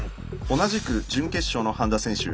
同じく準決勝の半田選手。